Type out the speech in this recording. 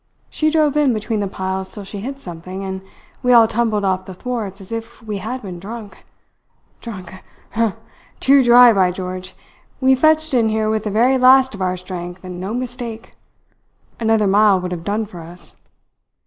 She drove in between the piles till she hit something, and we all tumbled off the thwarts as if we had been drunk. Drunk ha, ha! Too dry, by George! We fetched in here with the very last of our strength, and no mistake. Another mile would have done for us.